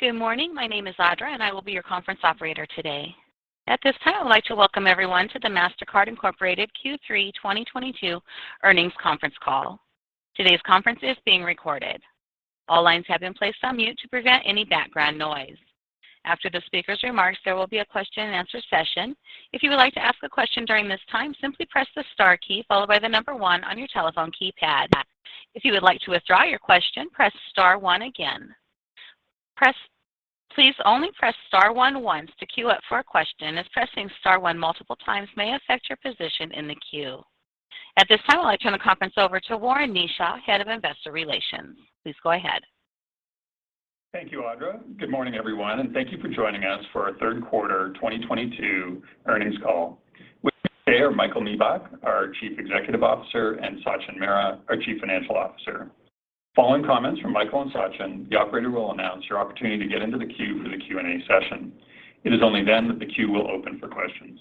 Good morning. My name is Audra, and I will be your conference operator today. At this time, I would like to welcome everyone to the Mastercard Incorporated Q3 2022 earnings conference call. Today's conference is being recorded. All lines have been placed on mute to prevent any background noise. After the speaker's remarks, there will be a Q&A session. If you would like to ask a question during this time, simply press the star key followed by the number one on your telephone keypad. If you would like to withdraw your question, press star one again. Please only press star one once to queue up for a question, as pressing star one multiple times may affect your position in the queue. At this time, I'll turn the conference over to Warren Kneeshaw, Head of Investor Relations. Please go ahead. Thank you, Audra. Good morning, everyone, and thank you for joining us for our third quarter 2022 earnings call. With me today are Michael Miebach, our Chief Executive Officer, and Sachin Mehra, our Chief Financial Officer. Following comments from Michael and Sachin, the operator will announce your opportunity to get into the queue for the Q&A session. It is only then that the queue will open for questions.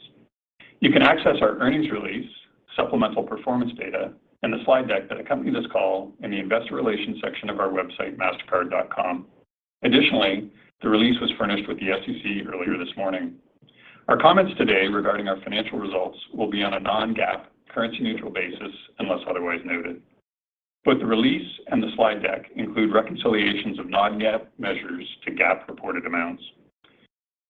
You can access our earnings release, supplemental performance data, and the slide deck that accompany this call in the Investor Relations section of our website, mastercard.com. Additionally, the release was furnished with the SEC earlier this morning. Our comments today regarding our financial results will be on a non-GAAP, currency-neutral basis unless otherwise noted. Both the release and the slide deck include reconciliations of non-GAAP measures to GAAP reported amounts.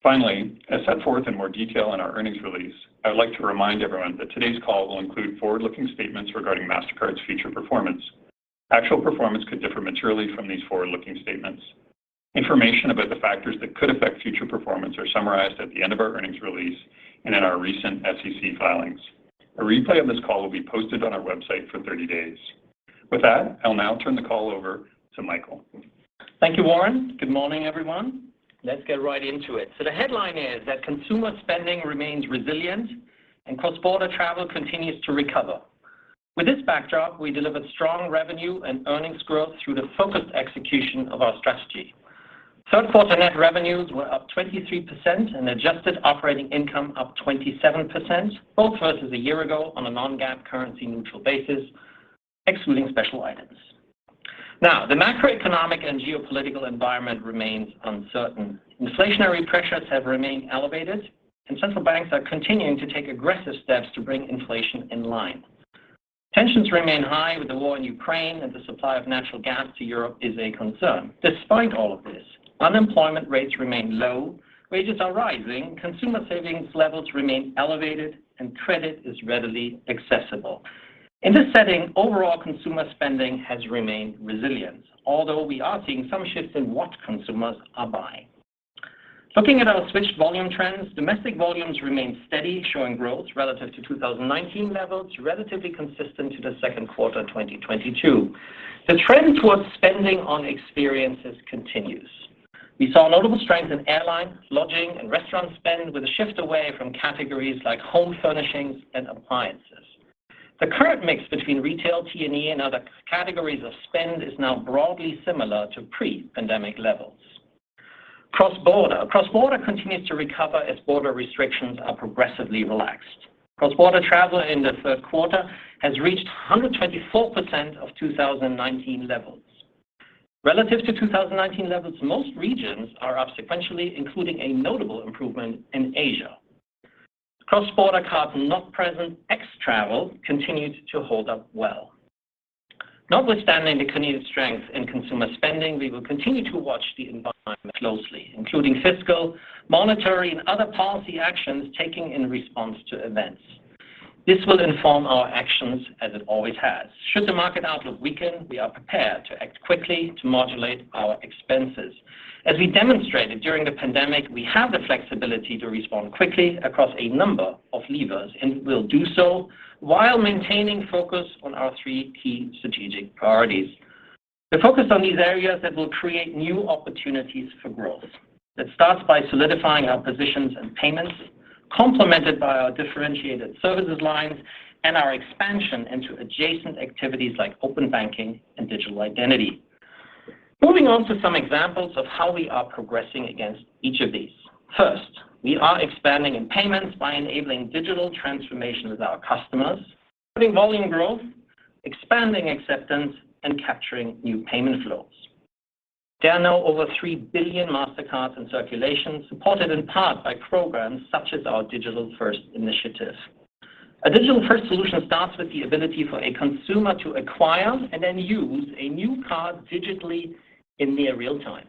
Finally, as set forth in more detail in our earnings release, I would like to remind everyone that today's call will include forward-looking statements regarding Mastercard's future performance. Actual performance could differ materially from these forward-looking statements. Information about the factors that could affect future performance are summarized at the end of our earnings release and in our recent SEC filings. A replay of this call will be posted on our website for 30 days. With that, I'll now turn the call over to Michael. Thank you, Warren. Good morning, everyone. Let's get right into it. The headline is that consumer spending remains resilient and cross-border travel continues to recover. With this backdrop, we delivered strong revenue and earnings growth through the focused execution of our strategy. Third quarter net revenues were up 23% and adjusted operating income up 27%, both versus a year ago on a non-GAAP currency neutral basis, excluding special items. Now, the macroeconomic and geopolitical environment remains uncertain. Inflationary pressures have remained elevated, and central banks are continuing to take aggressive steps to bring inflation in line. Tensions remain high with the war in Ukraine, and the supply of natural gas to Europe is a concern. Despite all of this, unemployment rates remain low, wages are rising, consumer savings levels remain elevated, and credit is readily accessible. In this setting, overall consumer spending has remained resilient, although we are seeing some shifts in what consumers are buying. Looking at our switched volume trends, domestic volumes remain steady, showing growth relative to 2019 levels, relatively consistent to the second quarter 2022. The trend towards spending on experiences continues. We saw notable strength in airline, lodging, and restaurant spend with a shift away from categories like home furnishings and appliances. The current mix between retail, T&E and other categories of spend is now broadly similar to pre-pandemic levels. Cross-border continues to recover as border restrictions are progressively relaxed. Cross-border travel in the third quarter has reached 124% of 2019 levels. Relative to 2019 levels, most regions are up sequentially, including a notable improvement in Asia. Cross-border cards not present, ex-travel, continued to hold up well. Not withstanding the continued strength in consumer spending, we will continue to watch the environment closely, including fiscal, monetary, and other policy actions taken in response to events. This will inform our actions as it always has. Should the market outlook weaken, we are prepared to act quickly to modulate our expenses. As we demonstrated during the pandemic, we have the flexibility to respond quickly across a number of levers, and we'll do so while maintaining focus on our three key strategic priorities. The focus on these areas that will create new opportunities for growth. It starts by solidifying our positions in payments, complemented by our differentiated service lines and our expansion into adjacent activities like open banking and digital identity. Moving on to some examples of how we are progressing against each of these. First, we are expanding in payments by enabling digital transformation with our customers, putting volume growth, expanding acceptance, and capturing new payment flows. There are now over 3 billion Mastercards in circulation, supported in part by programs such as our Digital First initiative. A Digital First solution starts with the ability for a consumer to acquire and then use a new card digitally in near real-time.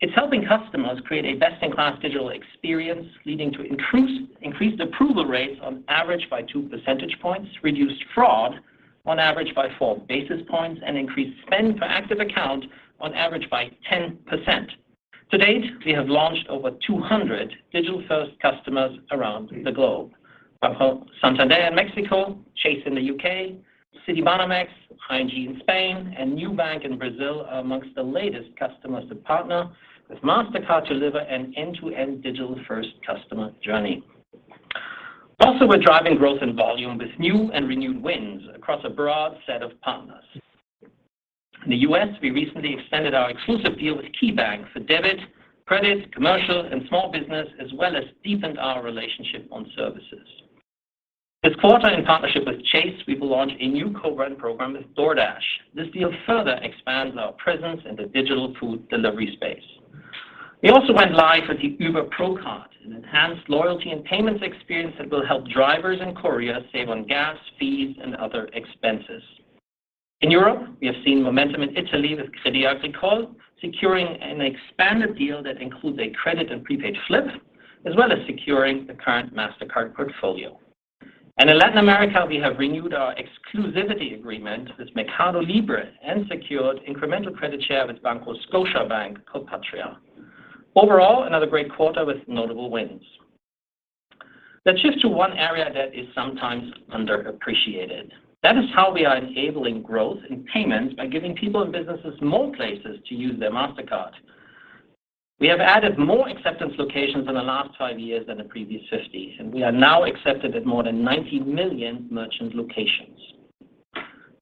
It's helping customers create a best-in-class digital experience, leading to increased approval rates on average by 2 percentage points, reduced fraud on average by 4 basis points, and increased spend per active account on average by 10%. To date, we have launched over 200 Digital First customers around the globe. Santander in Mexico, Chase in the U.K., Citibanamex, ING in Spain, and Nubank in Brazil are among the latest customers to partner with Mastercard to deliver an end-to-end Digital First customer journey. Also, we're driving growth and volume with new and renewed wins across a broad set of partners. In the US, we recently extended our exclusive deal with KeyBank for debit, credit, commercial, and small business, as well as deepened our relationship on services. This quarter, in partnership with Chase, we will launch a new co-brand program with DoorDash. This deal further expands our presence in the digital food delivery space. We also went live with the Uber Pro Card, an enhanced loyalty and payments experience that will help drivers and couriers save on gas, fees, and other expenses. In Europe, we have seen momentum in Italy with Crédit Agricole securing an expanded deal that includes a credit and prepaid flip, as well as securing the current Mastercard portfolio. In Latin America, we have renewed our exclusivity agreement with Mercado Libre and secured incremental credit share with Scotiabank Colpatria. Overall, another great quarter with notable wins. Let's shift to one area that is sometimes underappreciated. That is how we are enabling growth in payments by giving people and businesses more places to use their Mastercard. We have added more acceptance locations in the last five years than the previous 50, and we are now accepted at more than 90 million merchant locations.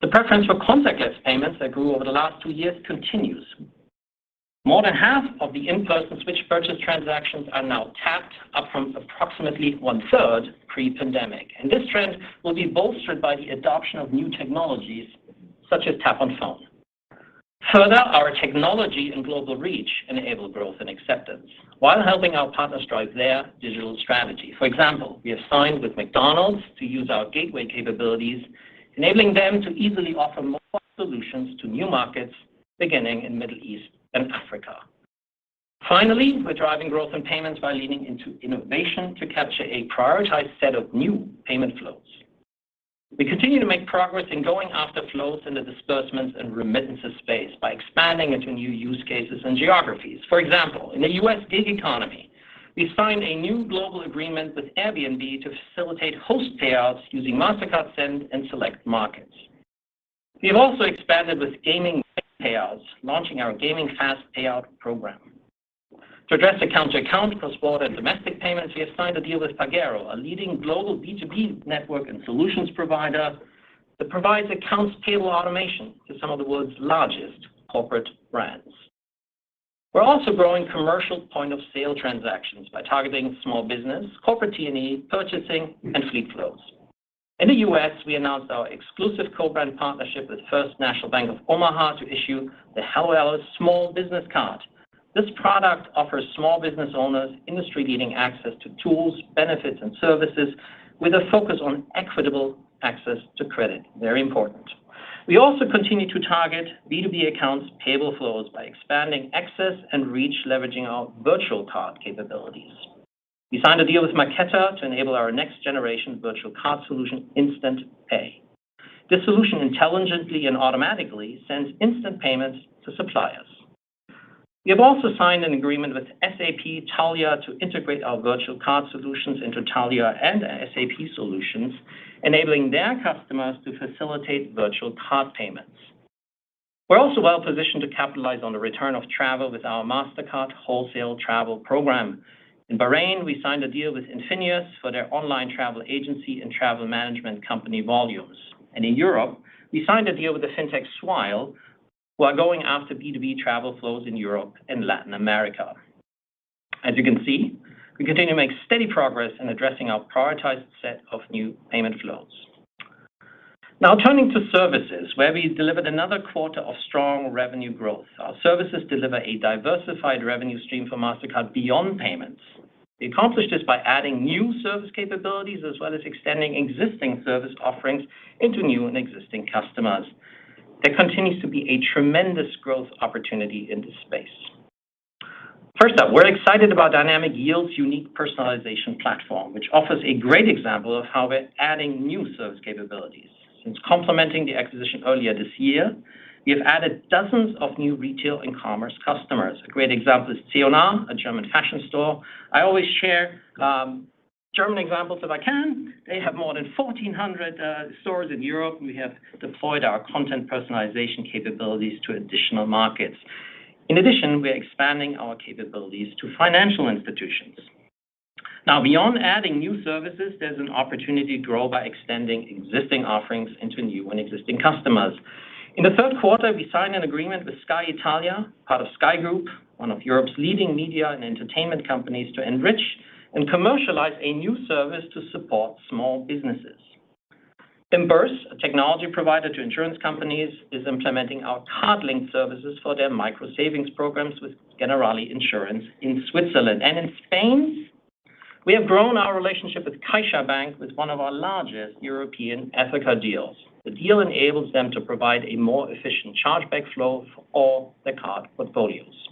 The preference for contactless payments that grew over the last two years continues. More than half of the in-person switch purchase transactions are now tapped, up from approximately 1/3 pre-pandemic. This trend will be bolstered by the adoption of new technologies, such as Tap on Phone. Further, our technology and global reach enable growth and acceptance while helping our partners drive their digital strategy. For example, we have signed with McDonald's to use our gateway capabilities, enabling them to easily offer mobile solutions to new markets beginning in Middle East and Africa. Finally, we're driving growth and payments by leaning into innovation to capture a prioritized set of new payment flows. We continue to make progress in going after flows in the disbursements and remittances space by expanding into new use cases and geographies. For example, in the U.S. gig economy, we signed a new global agreement with Airbnb to facilitate host payouts using Mastercard Send in select markets. We have also expanded with gaming payouts, launching our gaming fast payout program. To address account-to-account cross-border domestic payments, we have signed a deal with Pagero, a leading global B2B network and solutions provider that provides accounts payable automation to some of the world's largest corporate brands. We're also growing commercial point-of-sale transactions by targeting small business, corporate T&E, purchasing, and fleet flows. In the U.S., we announced our exclusive co-brand partnership with First National Bank of Omaha to issue the Hello Alice Small Business Mastercard. This product offers small business owners industry-leading access to tools, benefits, and services with a focus on equitable access to credit. Very important. We also continue to target B2B accounts payable flows by expanding access and reach, leveraging our virtual card capabilities. We signed a deal with Marqeta to enable our next-generation virtual card solution, Mastercard Track Instant Pay. This solution intelligently and automatically sends instant payments to suppliers. We have also signed an agreement with SAP Taulia to integrate our virtual card solutions into Taulia and SAP solutions, enabling their customers to facilitate virtual card payments. We're also well-positioned to capitalize on the return of travel with our Mastercard Wholesale Program. In Bahrain, we signed a deal with Infinios for their online travel agency and travel management company volumes. In Europe, we signed a deal with the fintech Swile, who are going after B2B travel flows in Europe and Latin America. As you can see, we continue to make steady progress in addressing our prioritized set of new payment flows. Now turning to services, where we delivered another quarter of strong revenue growth. Our services deliver a diversified revenue stream for Mastercard beyond payments. We accomplished this by adding new service capabilities as well as extending existing service offerings into new and existing customers. There continues to be a tremendous growth opportunity in this space. First up, we're excited about Dynamic Yield's unique personalization platform, which offers a great example of how we're adding new service capabilities. Since complementing the acquisition earlier this year, we have added dozens of new retail and commerce customers. A great example is C&A, a German fashion store. I always share German examples if I can. They have more than 1,400 stores in Europe, and we have deployed our content personalization capabilities to additional markets. In addition, we are expanding our capabilities to financial institutions. Now, beyond adding new services, there's an opportunity to grow by extending existing offerings into new and existing customers. In the third quarter, we signed an agreement with Sky Italia, part of Sky Group, one of Europe's leading media and entertainment companies, to enrich and commercialize a new service to support small businesses. Emburse, a technology provider to insurance companies, is implementing our card link services for their micro-savings programs with Generali Insurance in Switzerland. In Spain, we have grown our relationship with CaixaBank with one of our largest European Ethoca deals. The deal enables them to provide a more efficient chargeback flow for all the card portfolios.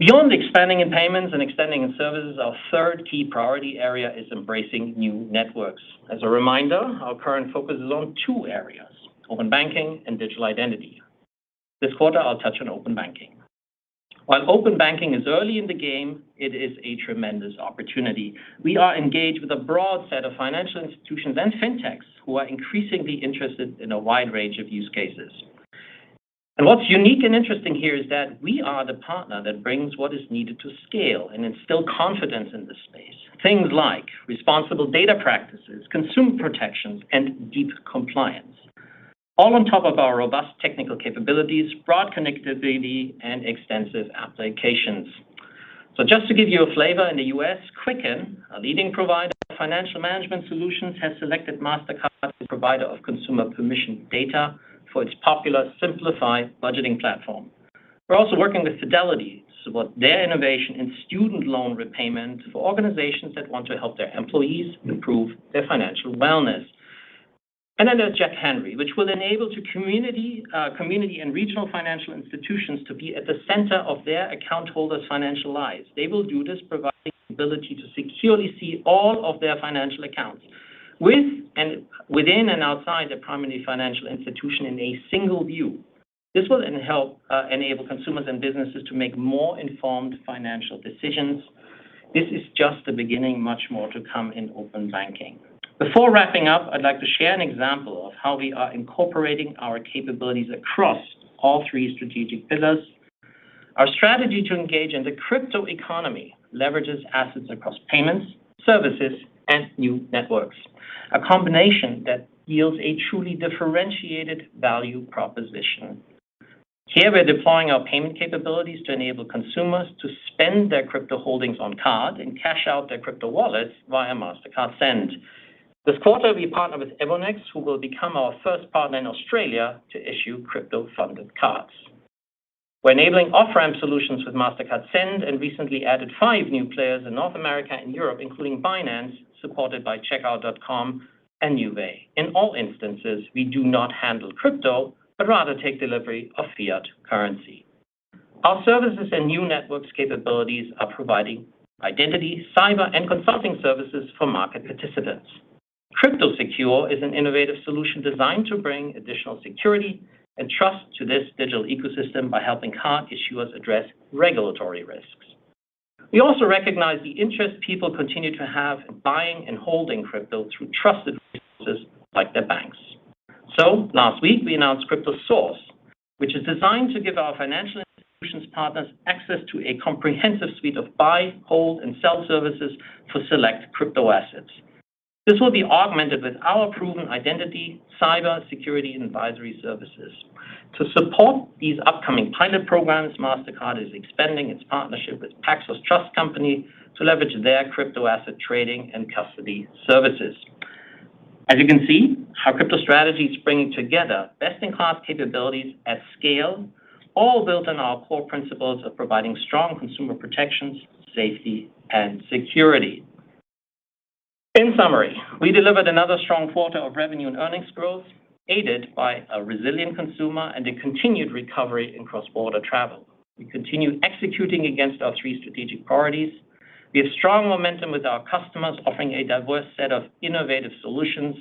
Beyond expanding in payments and extending in services, our third key priority area is embracing new networks. As a reminder, our current focus is on two areas, open banking and digital identity. This quarter, I'll touch on open banking. While open banking is early in the game, it is a tremendous opportunity. We are engaged with a broad set of financial institutions and fintechs who are increasingly interested in a wide range of use cases. What's unique and interesting here is that we are the partner that brings what is needed to scale and instill confidence in this space. Things like responsible data practices, consumer protections, and deep compliance. All on top of our robust technical capabilities, broad connectivity, and extensive applications. Just to give you a flavor, in the U.S., Quicken, a leading provider of financial management solutions, has selected Mastercard as the provider of consumer permission data for its popular Simplifi budgeting platform. We're also working with Fidelity to support their innovation in student loan repayment for organizations that want to help their employees improve their financial wellness. There's Jack Henry, which will enable community and regional financial institutions to be at the center of their account holders' financial lives. They will do this providing the ability to securely see all of their financial accounts within and outside their primary financial institution in a single view. This will then help enable consumers and businesses to make more informed financial decisions. This is just the beginning. Much more to come in open banking. Before wrapping up, I'd like to share an example of how we are incorporating our capabilities across all three strategic pillars. Our strategy to engage in the crypto economy leverages assets across payments, services, and new networks, a combination that yields a truly differentiated value proposition. Here we're deploying our payment capabilities to enable consumers to spend their crypto holdings on card and cash out their crypto wallets via Mastercard Send. This quarter, we partner with CoinJar, who will become our first partner in Australia to issue crypto-funded cards. We're enabling off-ramp solutions with Mastercard Send, and recently added five new players in North America and Europe, including Binance, supported by Checkout.com and Nuvei. In all instances, we do not handle crypto, but rather take delivery of fiat currency. Our services and new networks capabilities are providing identity, cyber, and consulting services for market participants. Crypto Secure is an innovative solution designed to bring additional security and trust to this digital ecosystem by helping card issuers address regulatory risks. We also recognize the interest people continue to have in buying and holding crypto through trusted resources like their banks. Last week we announced Crypto Source, which is designed to give our financial institutions partners access to a comprehensive suite of buy, hold, and sell services for select crypto assets. This will be augmented with our proven identity, cyber security, and advisory services. To support these upcoming pilot programs, Mastercard is expanding its partnership with Paxos Trust Company to leverage their crypto asset trading and custody services. As you can see, our crypto strategy is bringing together best-in-class capabilities at scale, all built on our core principles of providing strong consumer protections, safety, and security. In summary, we delivered another strong quarter of revenue and earnings growth aided by a resilient consumer and a continued recovery in cross-border travel. We continue executing against our three strategic priorities. We have strong momentum with our customers, offering a diverse set of innovative solutions.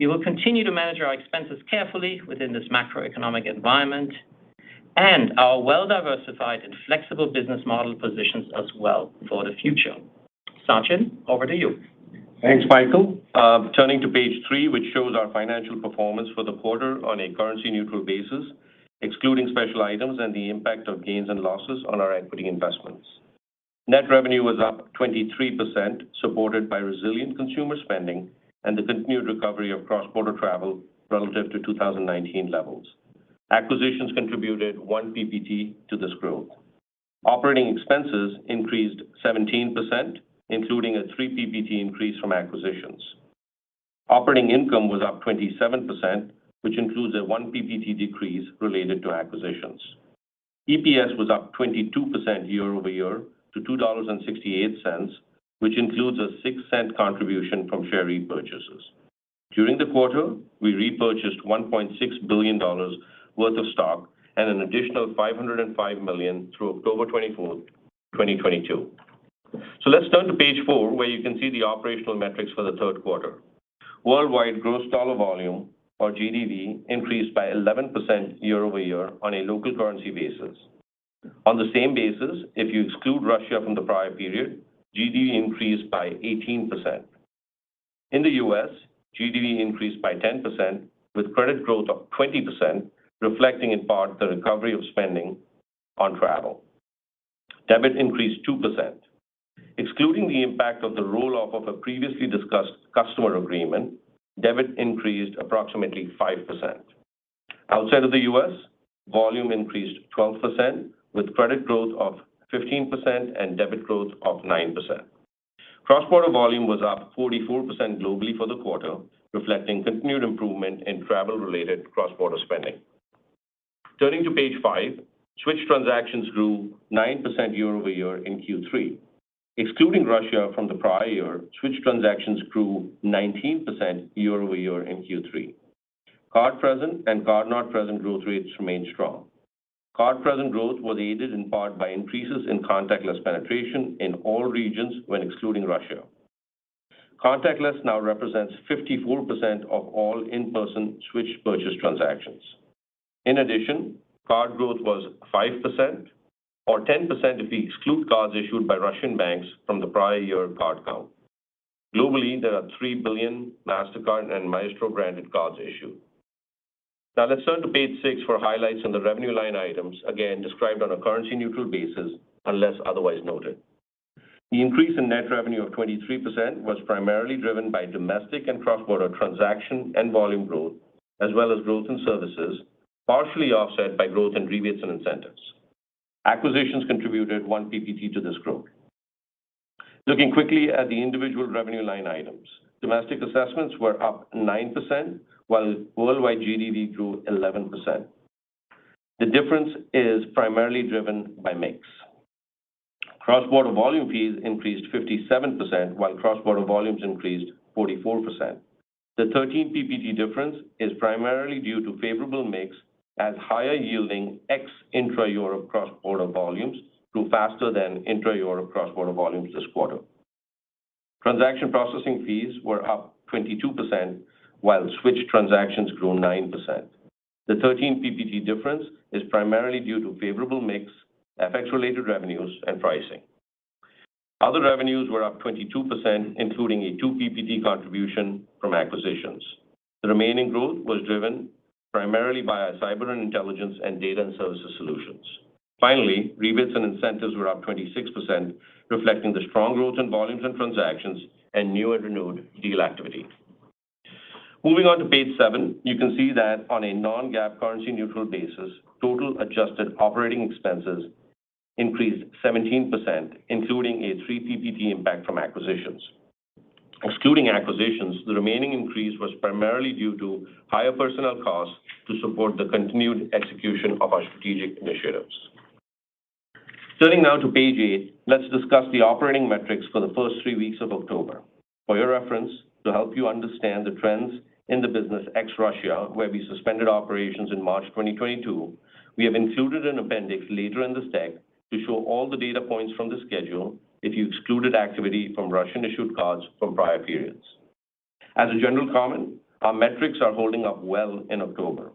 We will continue to manage our expenses carefully within this macroeconomic environment, and our well-diversified and flexible business model positions us well for the future. Sachin, over to you. Thanks, Michael. Turning to page three, which shows our financial performance for the quarter on a currency neutral basis, excluding special items and the impact of gains and losses on our equity investments. Net revenue was up 23%, supported by resilient consumer spending and the continued recovery of cross-border travel relative to 2019 levels. Acquisitions contributed one PPT to this growth. Operating expenses increased 17%, including a three PPT increase from acquisitions. Operating income was up 27%, which includes a one PPT decrease related to acquisitions. EPS was up 22% year-over-year to $2.68, which includes a $0.06 contribution from share repurchases. During the quarter, we repurchased $1.6 billion worth of stock and an additional $505 million through October 24th, 2022. Let's turn to page four, where you can see the operational metrics for the third quarter. Worldwide gross dollar volume, or GDV, increased by 11% year-over-year on a local currency basis. On the same basis, if you exclude Russia from the prior period, GDV increased by 18%. In the U.S., GDV increased by 10%, with credit growth of 20%, reflecting in part the recovery of spending on travel. Debit increased 2%. Excluding the impact of the roll-off of a previously discussed customer agreement, debit increased approximately 5%. Outside of the U.S., volume increased 12%, with credit growth of 15% and debit growth of 9%. Cross-border volume was up 44% globally for the quarter, reflecting continued improvement in travel-related cross-border spending. Turning to page five, switch transactions grew 9% year-over-year in Q3. Excluding Russia from the prior year, switch transactions grew 19% year-over-year in Q3. Card present and card not present growth rates remained strong. Card present growth was aided in part by increases in contactless penetration in all regions when excluding Russia. Contactless now represents 54% of all in-person switch purchase transactions. In addition, card growth was 5%, or 10% if we exclude cards issued by Russian banks from the prior year card count. Globally, there are 3 billion Mastercard and Maestro branded cards issued. Now let's turn to page six for highlights on the revenue line items, again described on a currency neutral basis unless otherwise noted. The increase in net revenue of 23% was primarily driven by domestic and cross-border transaction and volume growth, as well as growth in services, partially offset by growth in rebates and incentives. Acquisitions contributed one PPT to this growth. Looking quickly at the individual revenue line items. Domestic assessments were up 9%, while worldwide GDV grew 11%. The difference is primarily driven by mix. Cross-border volume fees increased 57%, while cross-border volumes increased 44%. The 13 PPT difference is primarily due to favorable mix as higher yielding ex-intra Euro cross-border volumes grew faster than intra Euro cross-border volumes this quarter. Transaction processing fees were up 22%, while switched transactions grew 9%. The 13 PPT difference is primarily due to favorable mix, FX-related revenues, and pricing. Other revenues were up 22%, including a two PPT contribution from acquisitions. The remaining growth was driven primarily by our cyber and intelligence and data and services solutions. Finally, rebates and incentives were up 26%, reflecting the strong growth in volumes and transactions and new and renewed deal activity. Moving on to page seven, you can see that on a non-GAAP currency neutral basis, total adjusted operating expenses increased 17%, including a 3 percentage points impact from acquisitions. Excluding acquisitions, the remaining increase was primarily due to higher personnel costs to support the continued execution of our strategic initiatives. Turning now to page eight, let's discuss the operating metrics for the first three weeks of October. For your reference, to help you understand the trends in the business ex-Russia, where we suspended operations in March 2022, we have included an appendix later in this deck to show all the data points from the schedule if you excluded activity from Russian-issued cards from prior periods. As a general comment, our metrics are holding up well in October.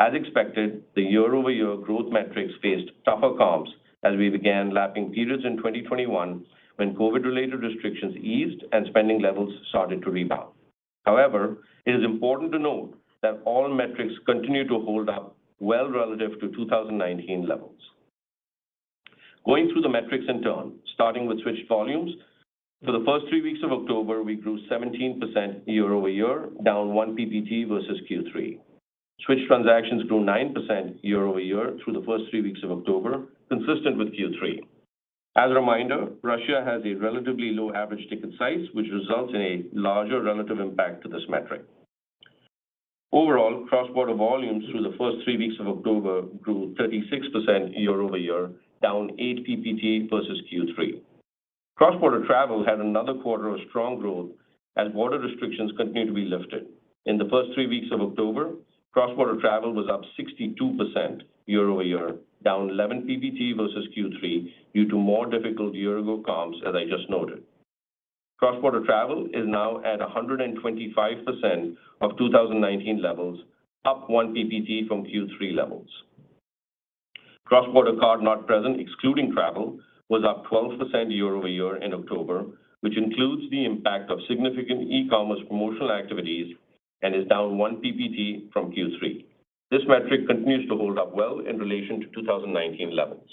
As expected, the year-over-year growth metrics faced tougher comps as we began lapping periods in 2021 when COVID-related restrictions eased and spending levels started to rebound. However, it is important to note that all metrics continue to hold up well relative to 2019 levels. Going through the metrics in turn, starting with switched volumes. For the first three weeks of October, we grew 17% year-over-year, down 1 PPT versus Q3. Switched transactions grew 9% year-over-year through the first three weeks of October, consistent with Q3. As a reminder, Russia has a relatively low average ticket size, which results in a larger relative impact to this metric. Overall, cross-border volumes through the first three weeks of October grew 36% year-over-year, down eight PPT versus Q3. Cross-border travel had another quarter of strong growth as border restrictions continue to be lifted. In the first three weeks of October, cross-border travel was up 62% year-over-year, down 11 PPT versus Q3 due to more difficult year-ago comps, as I just noted. Cross-border travel is now at 125% of 2019 levels, up 1 PPT from Q3 levels. Cross-border card not present, excluding travel, was up 12% year-over-year in October, which includes the impact of significant e-commerce promotional activities and is down one PPT from Q3. This metric continues to hold up well in relation to 2019 levels.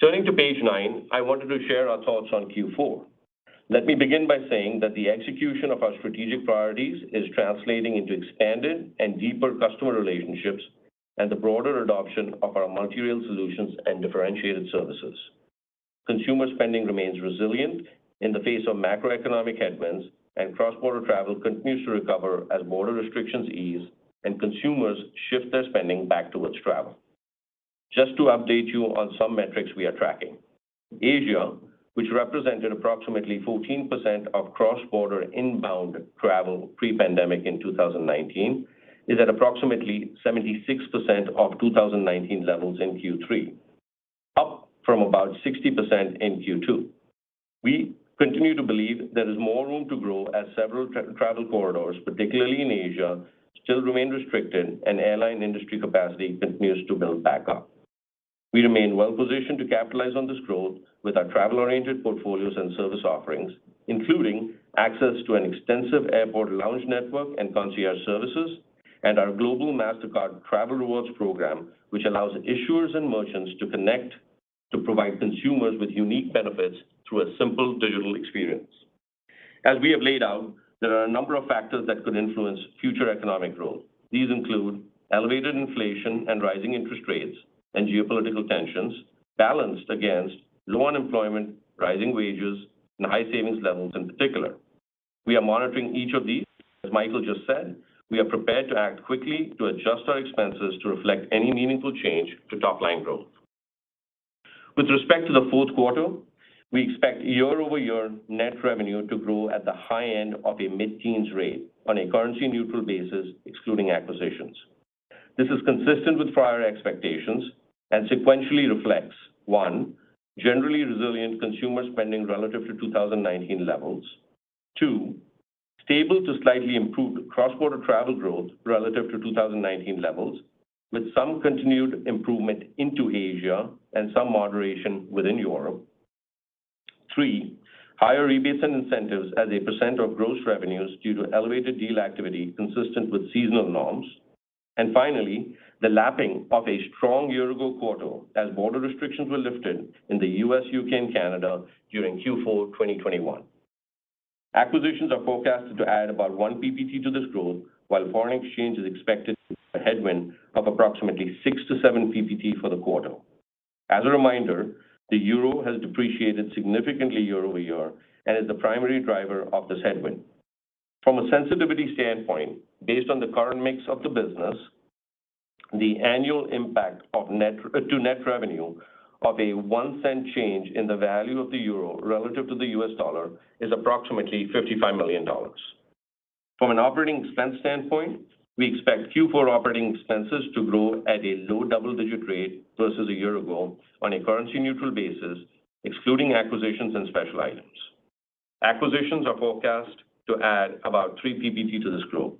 Turning to page nine, I wanted to share our thoughts on Q4. Let me begin by saying that the execution of our strategic priorities is translating into expanded and deeper customer relationships and the broader adoption of our multi-rail solutions and differentiated services. Consumer spending remains resilient in the face of macroeconomic headwinds, and cross-border travel continues to recover as border restrictions ease and consumers shift their spending back towards travel. Just to update you on some metrics we are tracking. Asia, which represented approximately 14% of cross-border inbound travel pre-pandemic in 2019, is at approximately 76% of 2019 levels in Q3, up from about 60% in Q2. We continue to believe there is more room to grow as several travel corridors, particularly in Asia, still remain restricted and airline industry capacity continues to build back up. We remain well-positioned to capitalize on this growth with our travel arrangement portfolios and service offerings, including access to an extensive airport lounge network and concierge services, and our global Mastercard Travel Rewards program, which allows issuers and merchants to connect to provide consumers with unique benefits through a simple digital experience. As we have laid out, there are a number of factors that could influence future economic growth. These include elevated inflation and rising interest rates and geopolitical tensions balanced against low unemployment, rising wages, and high savings levels in particular. We are monitoring each of these. As Michael just said, we are prepared to act quickly to adjust our expenses to reflect any meaningful change to top-line growth. With respect to the fourth quarter, we expect year-over-year net revenue to grow at the high end of a mid-teens rate on a currency neutral basis, excluding acquisitions. This is consistent with prior expectations and sequentially reflects, one, generally resilient consumer spending relative to 2019 levels. Two, stable to slightly improved cross-border travel growth relative to 2019 levels, with some continued improvement into Asia and some moderation within Europe. Three, higher rebates and incentives as a percent of gross revenues due to elevated deal activity consistent with seasonal norms. Finally, the lapping of a strong year-ago quarter as border restrictions were lifted in the U.S., U.K., and Canada during Q4 2021. Acquisitions are forecasted to add about one PPT to this growth, while foreign exchange is expected to be a headwind of approximately 6-7 PPT for the quarter. As a reminder, the euro has depreciated significantly year-over-year and is the primary driver of this headwind. From a sensitivity standpoint, based on the current mix of the business, the annual impact of net-to-net revenue of a one cent change in the value of the euro relative to the U.S. dollar is approximately $55 million. From an operating expense standpoint, we expect Q4 operating expenses to grow at a low double-digit rate versus a year ago on a currency neutral basis, excluding acquisitions and special items. Acquisitions are forecast to add about 3 percentage points to this growth.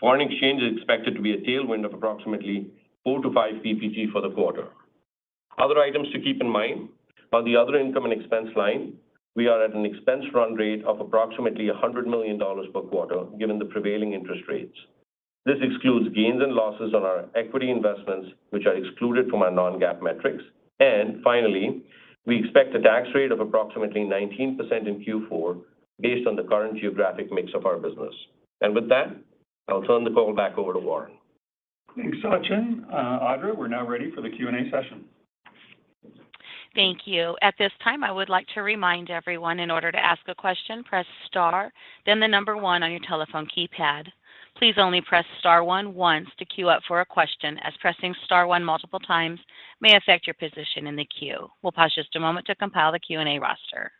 Foreign exchange is expected to be a tailwind of approximately 4-5 percentage points for the quarter. Other items to keep in mind, on the other income and expense line, we are at an expense run rate of approximately $100 million per quarter given the prevailing interest rates. This excludes gains and losses on our equity investments, which are excluded from our non-GAAP metrics. Finally, we expect a tax rate of approximately 19% in Q4 based on the current geographic mix of our business. With that, I'll turn the call back over to Warren. Thanks, Sachin. Audra, we're now ready for the Q&A session. Thank you. At this time, I would like to remind everyone in order to ask a question, press star, then the number one on your telephone keypad. Please only press star one once to queue up for a question as pressing star one multiple times may affect your position in the queue. We'll pause just a moment to compile the Q&A roster.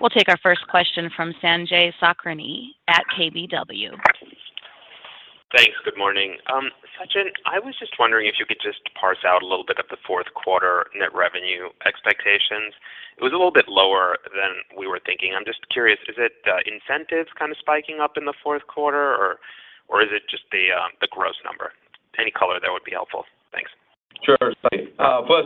We'll take our first question from Sanjay Sakhrani at KBW. Thanks. Good morning. Sachin, I was just wondering if you could just parse out a little bit of the fourth quarter net revenue expectations. It was a little bit lower than we were thinking. I'm just curious, is it incentives kinda spiking up in the fourth quarter or is it just the gross number? Any color there would be helpful. Thanks. Sure. First,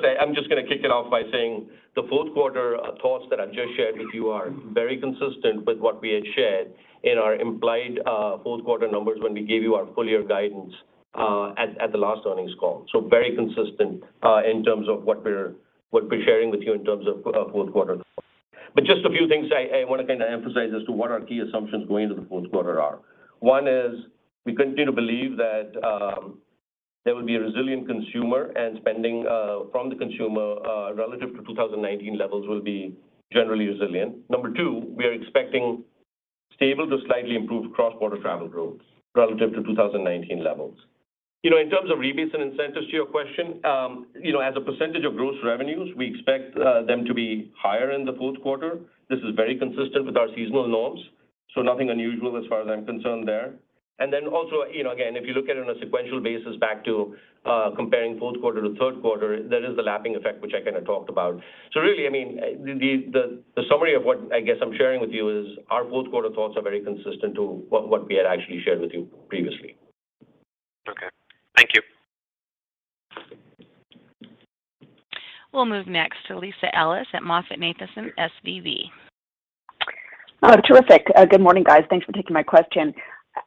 I'm just gonna kick it off by saying the fourth quarter thoughts that I just shared with you are very consistent with what we had shared in our implied fourth quarter numbers when we gave you our full year guidance at the last earnings call. Very consistent in terms of what we're sharing with you in terms of fourth quarter. But just a few things I wanna kinda emphasize as to what our key assumptions going into the fourth quarter are. One is we continue to believe that there will be a resilient consumer and spending from the consumer relative to 2019 levels will be generally resilient. Number two, we are expecting stable to slightly improved cross-border travel growth relative to 2019 levels. You know, in terms of rebates and incentives to your question, you know, as a percentage of gross revenues, we expect them to be higher in the fourth quarter. This is very consistent with our seasonal norms, so nothing unusual as far as I'm concerned there. Also, you know, again, if you look at it on a sequential basis back to comparing fourth quarter to third quarter, there is the lapping effect which I kinda talked about. Really, I mean, the summary of what I guess I'm sharing with you is our fourth quarter thoughts are very consistent to what we had actually shared with you previously. Okay. Thank you. We'll move next to Lisa Ellis at MoffettNathanson SVB. Terrific. Good morning, guys. Thanks for taking my question.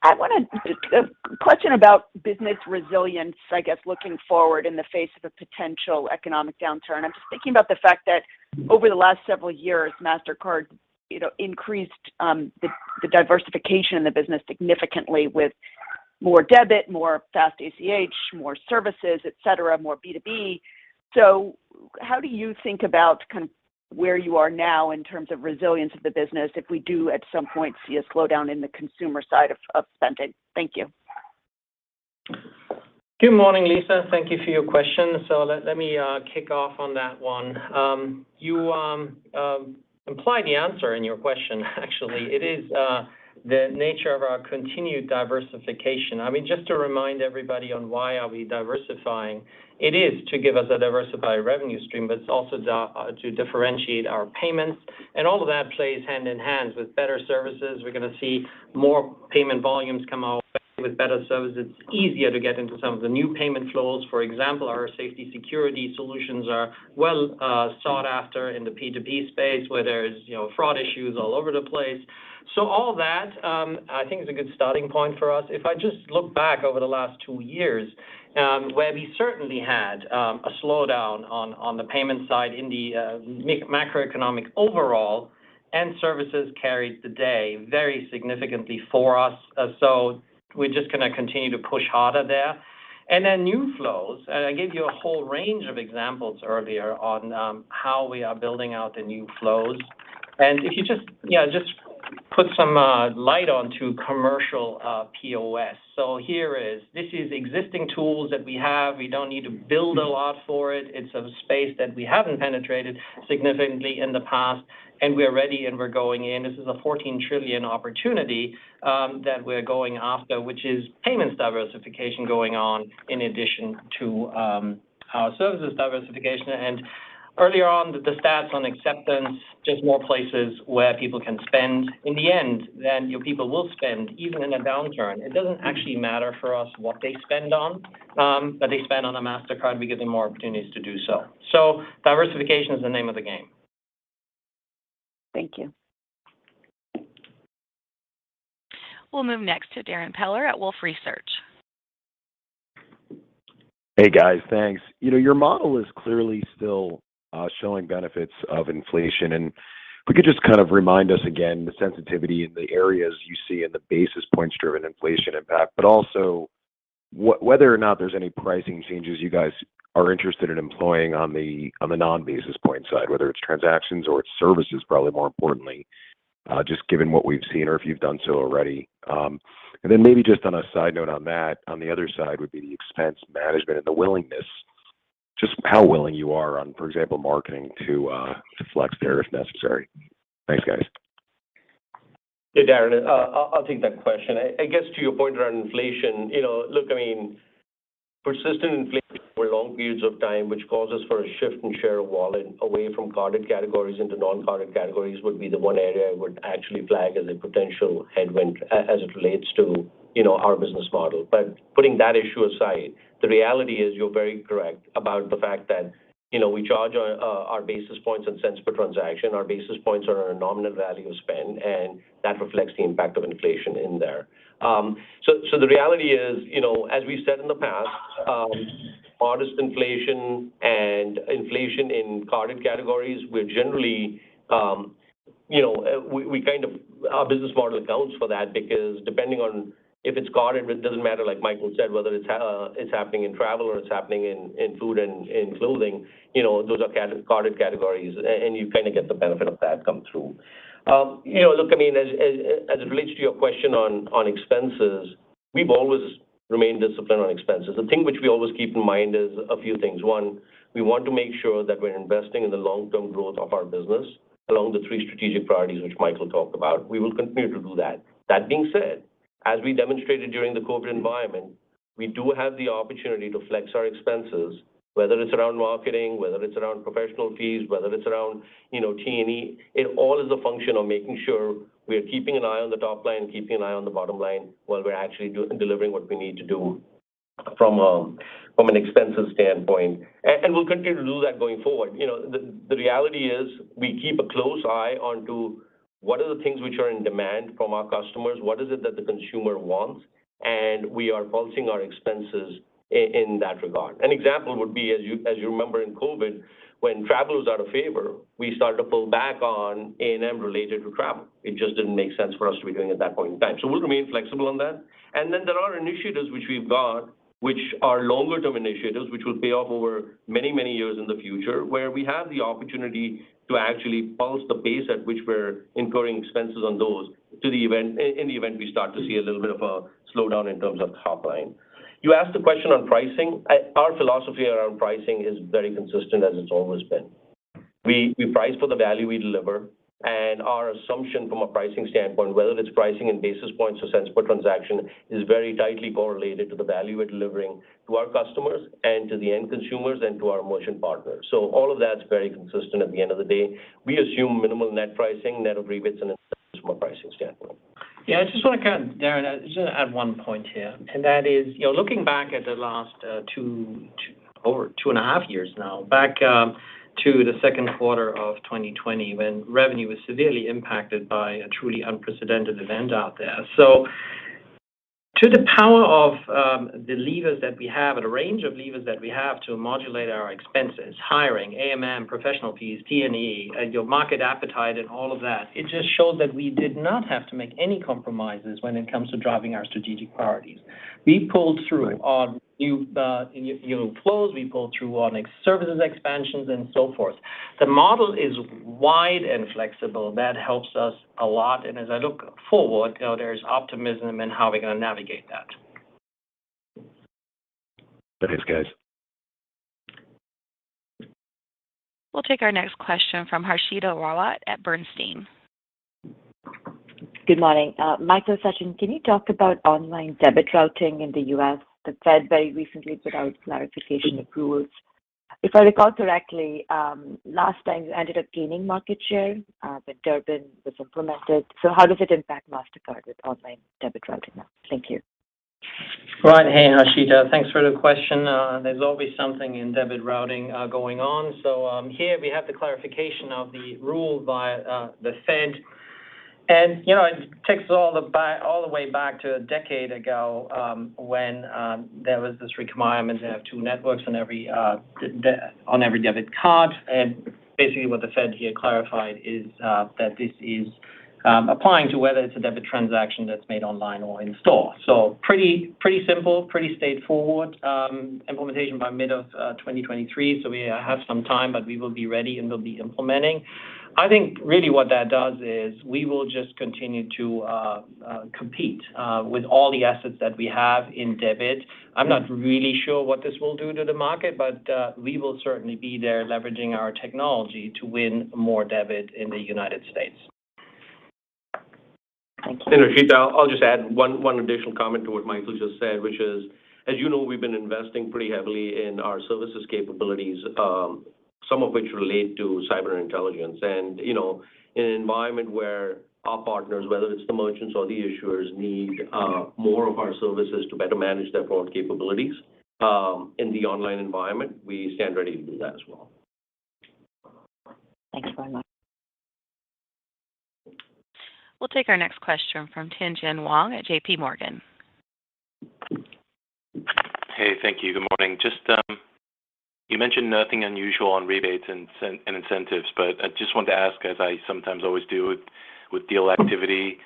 I wanted a question about business resilience, I guess, looking forward in the face of a potential economic downturn. I'm just thinking about the fact that over the last several years, Mastercard, you know, increased the diversification in the business significantly with more debit, more fast ACH, more services, et cetera, more B2B. How do you think about kind of where you are now in terms of resilience of the business if we do at some point see a slowdown in the consumer side of spending? Thank you. Good morning, Lisa. Thank you for your question. Let me kick off on that one. You imply the answer in your question, actually. It is the nature of our continued diversification. I mean, just to remind everybody on why are we diversifying, it is to give us a diversified revenue stream, but it's also to differentiate our payments. All of that plays hand in hand with better services. We're gonna see more payment volumes come out with better services. It's easier to get into some of the new payment flows. For example, our safety security solutions are well sought after in the P2P space where there's, you know, fraud issues all over the place. All that I think is a good starting point for us. If I just look back over the last two years, where we certainly had a slowdown on the payment side in the macroeconomic overall, and services carried the day very significantly for us. We're just gonna continue to push harder there. Then new flows, and I gave you a whole range of examples earlier on, how we are building out the new flows. If you just put some light onto commercial POS. Here. This is existing tools that we have. We don't need to build a lot for it. It's a space that we haven't penetrated significantly in the past, and we're ready, and we're going in. This is a $14 trillion opportunity that we're going after, which is payments diversification going on in addition to our services diversification. Earlier on the stats on acceptance, just more places where people can spend. In the end, then your people will spend even in a downturn. It doesn't actually matter for us what they spend on, but they spend on a Mastercard, we give them more opportunities to do so. Diversification is the name of the game. Thank you. We'll move next to Darrin Peller at Wolfe Research. Hey guys. Thanks. You know, your model is clearly still showing benefits of inflation. If we could just kind of remind us again the sensitivity in the areas you see in the basis points driven inflation impact, but also whether or not there's any pricing changes you guys are interested in employing on the non-basis point side, whether it's transactions or it's services probably more importantly, just given what we've seen or if you've done so already. Then maybe just on a side note on that, on the other side would be the expense management and the willingness, just how willing you are on, for example, marketing to flex there if necessary. Thanks guys. Hey Darrin, I'll take that question. I guess to your point around inflation, you know, look, I mean, persistent inflation for long periods of time, which causes for a shift in share of wallet away from carded categories into non-carded categories, would be the one area I would actually flag as a potential headwind as it relates to, you know, our business model. Putting that issue aside, the reality is you're very correct about the fact that, you know, we charge our basis points and cents per transaction. Our basis points are a nominal value of spend, and that reflects the impact of inflation in there. The reality is, you know, as we've said in the past, modest inflation and inflation in carded categories, we're generally, you know, our business model accounts for that because depending on if it's carded, it doesn't matter, like Michael said, whether it's happening in travel or it's happening in food and in clothing, you know, those are carded categories and you kinda get the benefit of that come through. You know, look, I mean, as it relates to your question on expenses, we've always remained disciplined on expenses. The thing which we always keep in mind is a few things. One, we want to make sure that we're investing in the long-term growth of our business along the three strategic priorities which Michael talked about. We will continue to do that. That being said, as we demonstrated during the COVID environment, we do have the opportunity to flex our expenses, whether it's around marketing, whether it's around professional fees, whether it's around, you know, T&E. It all is a function of making sure we are keeping an eye on the top line, keeping an eye on the bottom line while we're actually delivering what we need to do from an expenses standpoint. And we'll continue to do that going forward. You know, the reality is we keep a close eye onto what are the things which are in demand from our customers, what is it that the consumer wants, and we are pulsing our expenses in that regard. An example would be, as you remember in COVID, when travel was out of favor, we started to pull back on A&M related to travel. It just didn't make sense for us to be doing at that point in time. We'll remain flexible on that. Then there are initiatives which we've got, which are longer term initiatives, which will pay off over many, many years in the future, where we have the opportunity to actually pulse the pace at which we're incurring expenses on those to the event, in the event we start to see a little bit of a slowdown in terms of top line. You asked the question on pricing. Our philosophy around pricing is very consistent as it's always been. We price for the value we deliver, and our assumption from a pricing standpoint, whether it's pricing in basis points or cents per transaction, is very tightly correlated to the value we're delivering to our customers and to the end consumers and to our merchant partners. All of that's very consistent at the end of the day. We assume minimal net pricing, net agreements in a sense from a pricing standpoint. Yeah, I just wanna kind of, Darrin, just add one point here, and that is, you know, looking back at the last over 2.5 years now, back to the second quarter of 2020 when revenue was severely impacted by a truly unprecedented event out there. To the power of the levers that we have and a range of levers that we have to modulate our expenses, hiring, A&M, professional fees, T&E, your market appetite and all of that, it just shows that we did not have to make any compromises when it comes to driving our strategic priorities. We pulled through on new flows, we pulled through on existing services expansions and so forth. The model is wide and flexible. That helps us a lot, and as I look forward, you know, there's optimism in how we're gonna navigate that. Thanks, guys. We'll take our next question from Harshita Rawat at Bernstein. Good morning, Michael, Sachin, can you talk about online debit routing in the U.S.? The Fed very recently put out clarification of rules. If I recall correctly, last time you ended up gaining market share, when Durbin was implemented. How does it impact Mastercard with online debit routing now? Thank you. Right. Hey, Harshita. Thanks for the question. There's always something in debit routing going on. Here we have the clarification of the rule via the Fed. You know, it takes all the way back to a decade ago, when there was this requirement to have two networks on every debit card. Basically what the Fed here clarified is that this is applying to whether it's a debit transaction that's made online or in store. Pretty simple, pretty straightforward implementation by mid-2023. We have some time, but we will be ready, and we'll be implementing. I think really what that does is we will just continue to compete with all the assets that we have in debit. I'm not really sure what this will do to the market, but, we will certainly be there leveraging our technology to win more debit in the United States. Thank you. Harshita, I'll just add one additional comment to what Michael just said, which is, as you know, we've been investing pretty heavily in our services capabilities, some of which relate to cyber intelligence. You know, in an environment where our partners, whether it's the merchants or the issuers, need more of our services to better manage their fraud capabilities. In the online environment, we stand ready to do that as well. Thanks very much. We'll take our next question from Tien-Tsin Huang at JPMorgan. Hey, thank you. Good morning. Just, you mentioned nothing unusual on rebates and incentives, but I just wanted to ask, as I sometimes always do with deal activity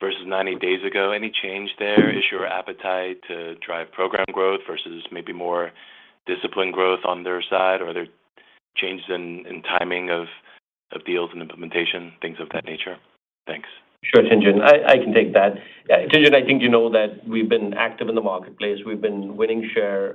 versus 90 days ago, any change there? Is your appetite to drive program growth versus maybe more disciplined growth on their side? Are there changes in timing of deals and implementation, things of that nature? Thanks. Sure, Tien-Tsin. I can take that. Yeah, Tien-Tsin, I think you know that we've been active in the marketplace. We've been winning share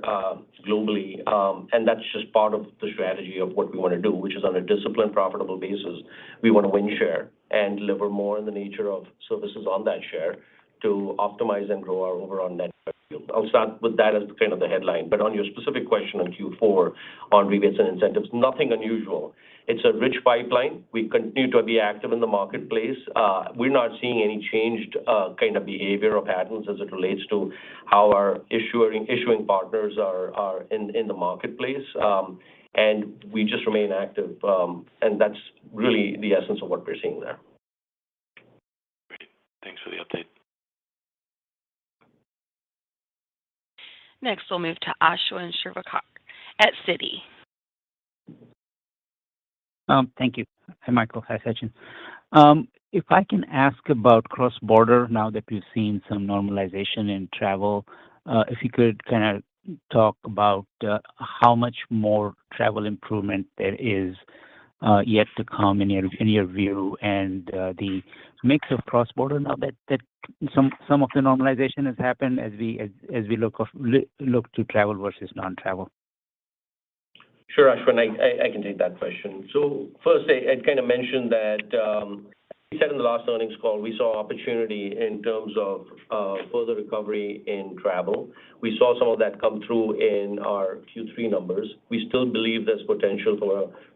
globally. That's just part of the strategy of what we wanna do, which is on a disciplined, profitable basis. We wanna win share and deliver more in the nature of services on that share to optimize and grow our overall net yield. I'll start with that as kind of the headline. On your specific question on Q4, on rebates and incentives, nothing unusual. It's a rich pipeline. We continue to be active in the marketplace. We're not seeing any change in behavior or patterns as it relates to how our issuing partners are in the marketplace. We just remain active. That's really the essence of what we're seeing there. Great. Thanks for the update. Next, we'll move to Ashwin Shirvaikar at Citi. Thank you. Hi, Michael. Hi, Sachin. If I can ask about cross-border now that we've seen some normalization in travel, if you could kinda talk about how much more travel improvement there is yet to come in your view and the mix of cross-border now that some of the normalization has happened as we look to travel versus non-travel. Sure, Ashwin. I can take that question. First, I kind of mentioned that we said in the last earnings call, we saw opportunity in terms of further recovery in travel. We saw some of that come through in our Q3 numbers. We still believe there's potential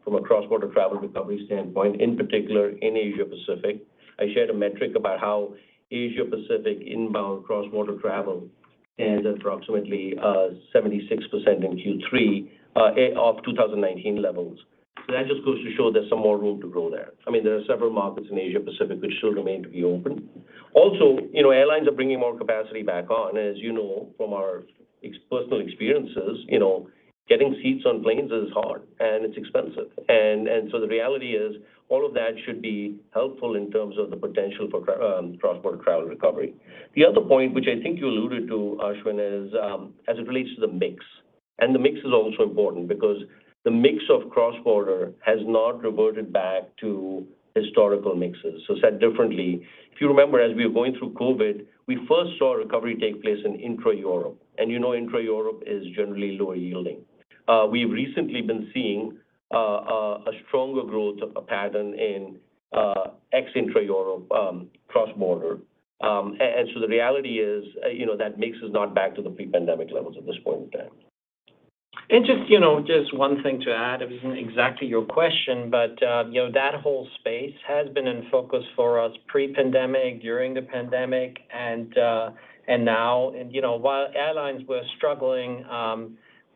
from a cross-border travel recovery standpoint, in particular in Asia-Pacific. I shared a metric about how Asia-Pacific inbound cross-border travel ended approximately 76% in Q3 off 2019 levels. That just goes to show there's some more room to grow there. I mean, there are several markets in Asia-Pacific which still remain to be open. Also, you know, airlines are bringing more capacity back on. As you know, from our own personal experiences, you know, getting seats on planes is hard and it's expensive. The reality is all of that should be helpful in terms of the potential for cross-border travel recovery. The other point, which I think you alluded to, Ashwin, is as it relates to the mix, and the mix is also important because the mix of cross-border has not reverted back to historical mixes. Said differently, if you remember as we were going through COVID, we first saw recovery take place in intra-Europe, and you know intra-Europe is generally lower yielding. We've recently been seeing a stronger growth pattern in ex-intra-Europe cross-border. And so the reality is, you know, that mix is not back to the pre-pandemic levels at this point in time. Just, you know, just one thing to add, it isn't exactly your question, but, you know, that whole space has been in focus for us pre-pandemic, during the pandemic, and now. You know, while airlines were struggling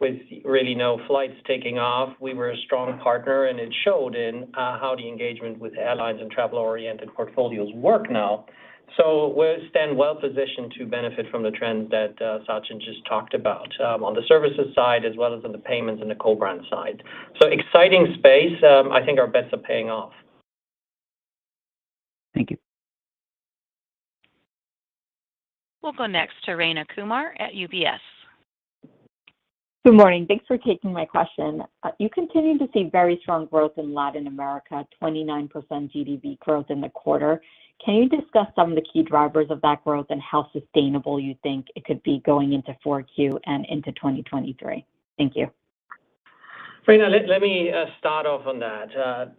with really no flights taking off, we were a strong partner, and it showed in how the engagement with airlines and travel-oriented portfolios work now. We stand well-positioned to benefit from the trend that Sachin just talked about on the services side as well as on the payments and the co-brand side. Exciting space. I think our bets are paying off. Thank you. We'll go next to Rayna Kumar at UBS. Good morning. Thanks for taking my question. You continue to see very strong growth in Latin America, 29% GDV growth in the quarter. Can you discuss some of the key drivers of that growth and how sustainable you think it could be going into 4Q and into 2023? Thank you. Rayna, let me start off on that.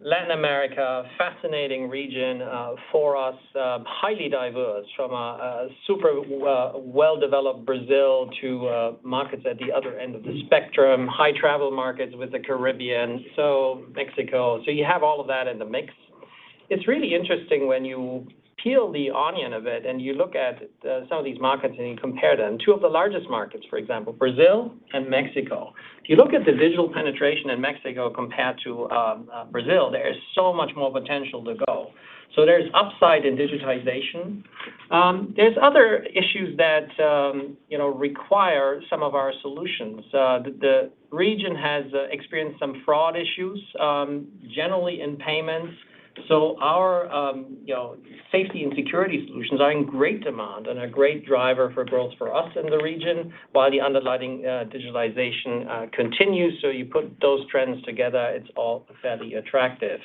Latin America, fascinating region, for us, highly diverse from a super well-developed Brazil to markets at the other end of the spectrum, high travel markets with the Caribbean, so Mexico. You have all of that in the mix. It's really interesting when you peel the onion of it, and you look at some of these markets and you compare them. Two of the largest markets, for example, Brazil and Mexico. If you look at the digital penetration in Mexico compared to Brazil, there is so much more potential to go. There's upside in digitization. There's other issues that you know require some of our solutions. The region has experienced some fraud issues generally in payments. Our, you know, safety and security solutions are in great demand and a great driver for growth for us in the region while the underlying digitalization continues. You put those trends together, it's all fairly attractive.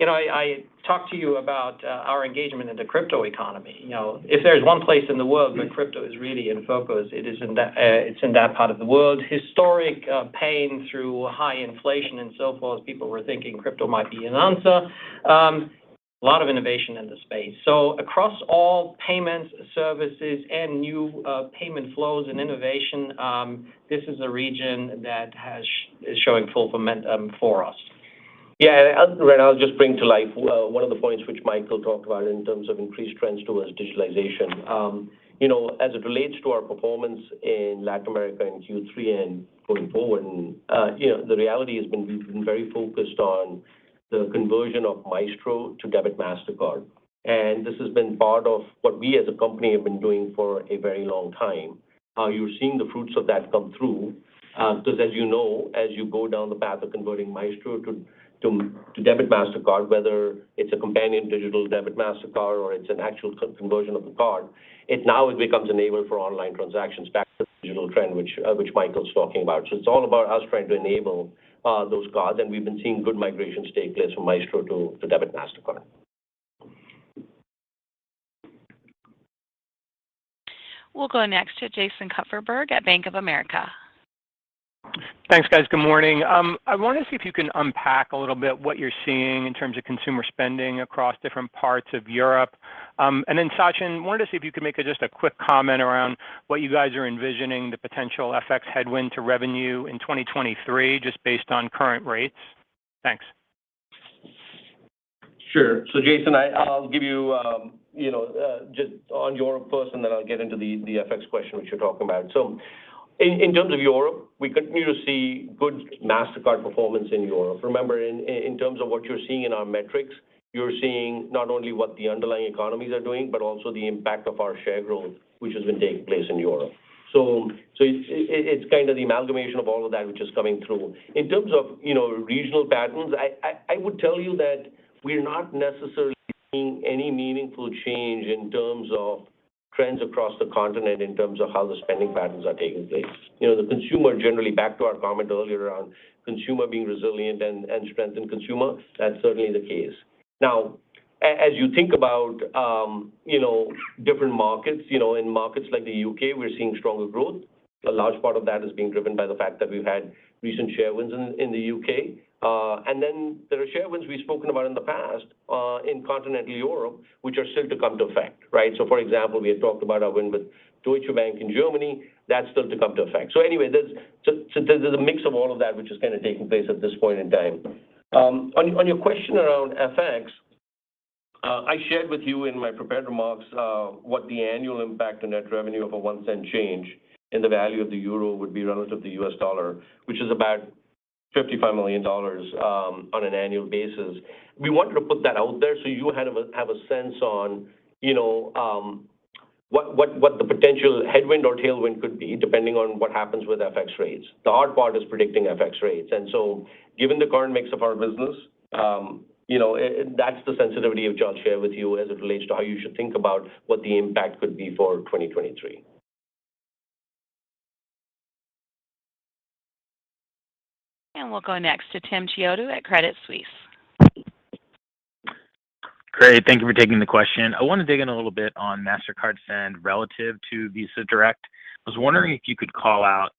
You know, I talked to you about our engagement in the crypto economy. You know, if there's one place in the world where crypto is really in focus, it's in that part of the world. Historical pain through high inflation and so forth, people were thinking crypto might be an answer. A lot of innovation in the space. Across all payments, services, and new payment flows and innovation, this is a region that is showing full momentum for us. I'll just bring to life one of the points which Michael talked about in terms of increased trends towards digitalization. You know, as it relates to our performance in Latin America in Q3 and going forward, you know, the reality has been we've been very focused on the conversion of Maestro to Debit Mastercard. This has been part of what we as a company have been doing for a very long time. You're seeing the fruits of that come through, 'cause as you know, as you go down the path of converting Maestro to Debit Mastercard, whether it's a companion digital Debit Mastercard or it's an actual conversion of the card, it now becomes enabled for online transactions back to the digital trend which Michael's talking about. It's all about us trying to enable those cards, and we've been seeing good migration take place from Maestro to Debit Mastercard. We'll go next to Jason Kupferberg at Bank of America. Thanks, guys. Good morning. I wanted to see if you can unpack a little bit what you're seeing in terms of consumer spending across different parts of Europe. Then, Sachin, wanted to see if you could make just a quick comment around what you guys are envisioning the potential FX headwind to revenue in 2023 just based on current rates. Thanks. Sure. Jason, I'll give you just on Europe first, and then I'll get into the FX question which you're talking about. In terms of Europe, we continue to see good Mastercard performance in Europe. Remember, in terms of what you're seeing in our metrics, you're seeing not only what the underlying economies are doing but also the impact of our share growth which has been taking place in Europe. It's kind of the amalgamation of all of that which is coming through. In terms of regional patterns, I would tell you that we're not necessarily seeing any meaningful change in terms of trends across the continent in terms of how the spending patterns are taking place. You know, the consumer generally, back to our comment earlier around consumer being resilient and strengthened consumer, that's certainly the case. Now as you think about, you know, different markets, you know, in markets like the U.K. we're seeing stronger growth. A large part of that is being driven by the fact that we've had recent share wins in the U.K. Then there are share wins we've spoken about in the past, in continental Europe which are still to come to effect, right? For example, we had talked about our win with Deutsche Bank in Germany. That's still to come to effect. Anyway, there's a mix of all of that which is kinda taking place at this point in time. On your question around FX, I shared with you in my prepared remarks what the annual impact on net revenue of a one cent change in the value of the euro would be relative to the US dollar, which is about $55 million on an annual basis. We wanted to put that out there so you have a sense on, you know, what the potential headwind or tailwind could be depending on what happens with FX rates. The hard part is predicting FX rates. Given the current mix of our business, you know, that's the sensitivity I've just shared with you as it relates to how you should think about what the impact could be for 2023. We'll go next to Timothy Chiodo at Credit Suisse. Great. Thank you for taking the question. I wanna dig in a little bit on Mastercard Send relative to Visa Direct. I was wondering if you could call out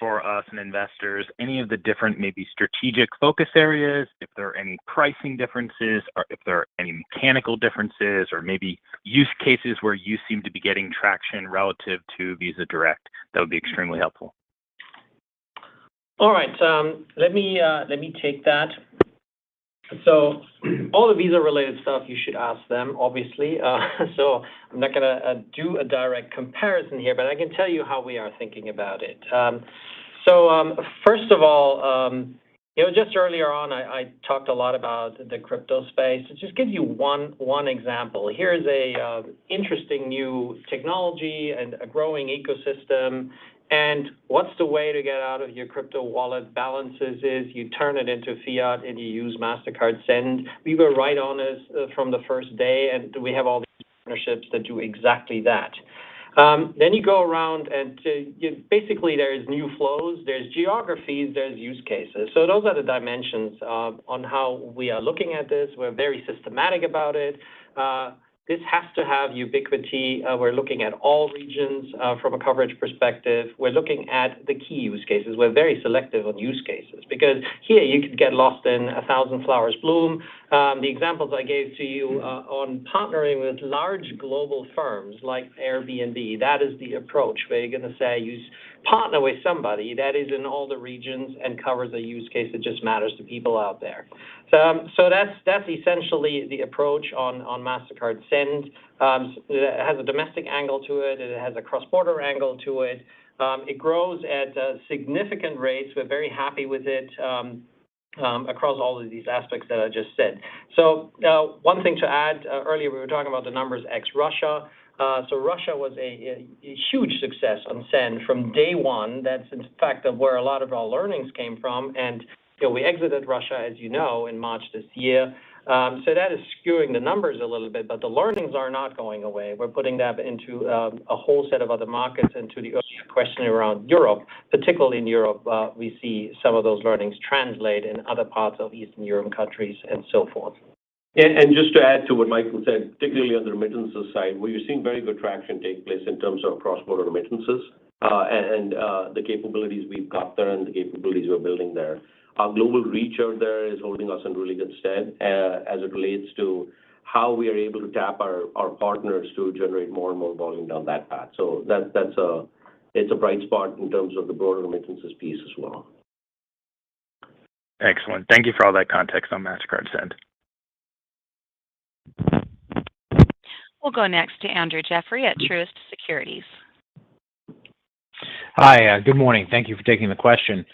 for us and investors any of the different maybe strategic focus areas, if there are any pricing differences or if there are any mechanical differences or maybe use cases where you seem to be getting traction relative to Visa Direct? That would be extremely helpful. All right. Let me take that. All the Visa related stuff you should ask them obviously. I'm not gonna do a direct comparison here, but I can tell you how we are thinking about it. First of all, you know, just earlier on I talked a lot about the crypto space. To just give you one example, here is an interesting new technology and a growing ecosystem, and what's the way to get out of your crypto wallet balances is you turn it into fiat and you use Mastercard Send. We were right on it from the first day, and we have all these partnerships that do exactly that. You go around and, you know, basically there's new flows, there's geographies, there's use cases. Those are the dimensions on how we are looking at this. We're very systematic about it. This has to have ubiquity. We're looking at all regions from a coverage perspective. We're looking at the key use cases. We're very selective on use cases because here you could get lost in a thousand flowers bloom. The examples I gave to you on partnering with large global firms like Airbnb, that is the approach, where you're gonna say you partner with somebody that is in all the regions and covers a use case that just matters to people out there. That's essentially the approach on Mastercard Send. It has a domestic angle to it and it has a cross-border angle to it. It grows at significant rates. We're very happy with it, across all of these aspects that I just said. One thing to add, earlier we were talking about the numbers ex-Russia. Russia was a huge success on Send from day one. That's in fact, where a lot of our learnings came from. You know, we exited Russia as you know in March this year. That is skewing the numbers a little bit, but the learnings are not going away. We're putting that into a whole set of other markets and to the earlier question around Europe. Particularly in Europe, we see some of those learnings translate in other parts of Eastern Europe countries and so forth. Just to add to what Michael said, particularly on the remittances side where you're seeing very good traction take place in terms of cross-border remittances, and the capabilities we've got there and the capabilities we're building there. Our global reach out there is holding us in good stead as it relates to how we are able to tap our partners to generate more and more volume down that path. That's a bright spot in terms of the broader remittances piece as well. Excellent. Thank you for all that context on Mastercard Send. We'll go next to Andrew Jeffrey at Truist Securities. Hi. Good morning. Thank you for taking the question.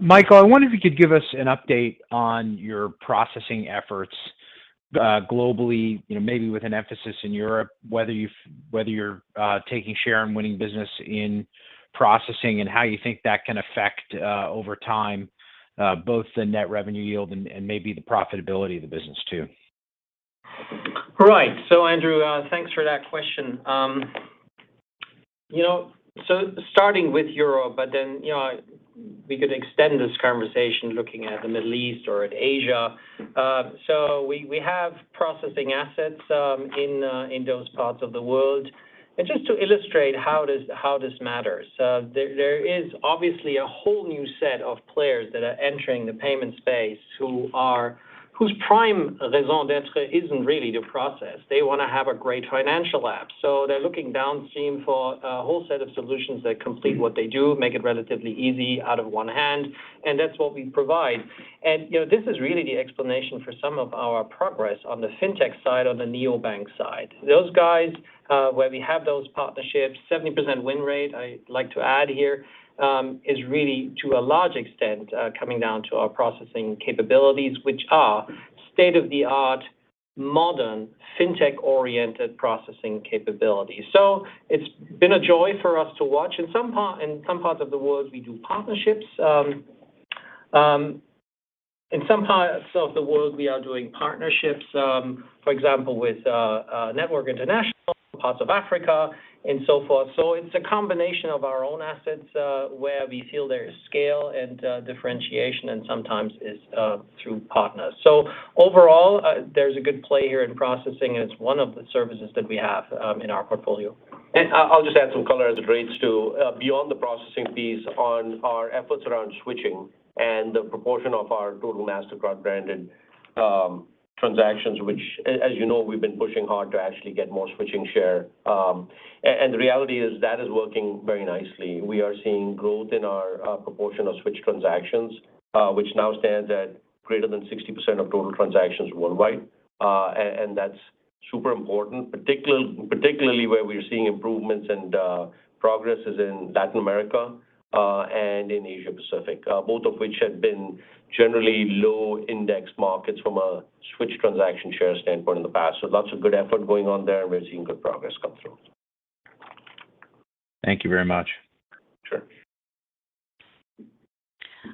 Michael, I wonder if you could give us an update on your processing efforts, globally, you know, maybe with an emphasis in Europe, whether you're taking share and winning business in processing and how you think that can affect, over time, both the net revenue yield and maybe the profitability of the business too. Right. Andrew Jeffrey, thanks for that question. You know, starting with Europe, but then we could extend this conversation looking at the Middle East or at Asia. We have processing assets in those parts of the world. Just to illustrate how this matters, there is obviously a whole new set of players that are entering the payment space whose prime raison d'être isn't really to process. They wanna have a great financial app. They're looking downstream for a whole set of solutions that complete what they do, make it relatively easy out of one hand, and that's what we provide. You know, this is really the explanation for some of our progress on the FinTech side or the neobank side. Those guys, where we have those partnerships, 70% win rate, I like to add here, is really to a large extent, coming down to our processing capabilities, which are state-of-the-art, modern fintech oriented processing capabilities. It's been a joy for us to watch. In some parts of the world, we do partnerships. In some parts of the world, we are doing partnerships, for example, with a Network International, parts of Africa and so forth. It's a combination of our own assets, where we feel there is scale and, differentiation and sometimes is, through partners. Overall, there's a good play here in processing, and it's one of the services that we have, in our portfolio. I'll just add some color as it relates to beyond the processing piece on our efforts around switching and the proportion of our total Mastercard branded transactions, which, as you know, we've been pushing hard to actually get more switching share. The reality is that is working very nicely. We are seeing growth in our proportion of switch transactions, which now stands at greater than 60% of total transactions worldwide. That's super important, particularly where we are seeing improvements and progress is in Latin America and in Asia Pacific, both of which had been generally low index markets from a switch transaction share standpoint in the past. Lots of good effort going on there. We're seeing good progress come through. Thank you very much. Sure.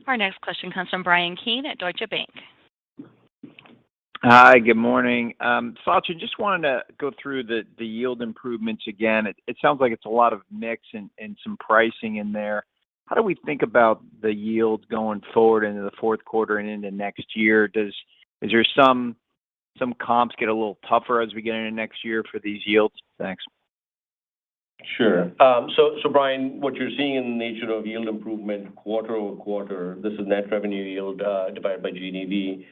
Our next question comes from Brian Keane at Deutsche Bank. Hi. Good morning. Sachin, just wanted to go through the yield improvements again. It sounds like it's a lot of mix and some pricing in there. How do we think about the yields going forward into the fourth quarter and into next year? Is there some comps get a little tougher as we get into next year for these yields? Thanks. Sure. So, Brian, what you're seeing in the nature of yield improvement quarter over quarter, this is net revenue yield divided by GDV.